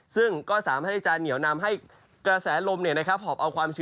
ซึ่งก็สามารถที่จะเหนียวนำให้กระแสลมนี่นะครับ